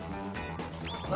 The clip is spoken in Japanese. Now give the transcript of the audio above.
何？